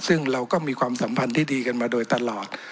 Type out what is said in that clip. ซึ่งเราก็มีความสัมพันธ์ที่ดีกันมาโดยตลอด